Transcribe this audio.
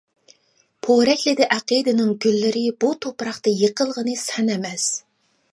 پورەكلىدى ئەقىدىنىڭ گۈللىرى، بۇ تۇپراقتا يىقىلغىنى سەن ئەمەس.